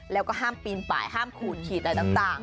แล้วก็ห้ามปีนป่ายห้ามขูดขีดอะไรต่าง